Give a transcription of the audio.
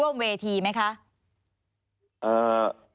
เขาได้ไปร่วมเวทีไหมคะ